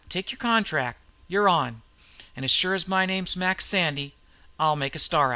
Take your contract. You're on! An' as sure as my name's Mac Sandy I'll make a star of you!"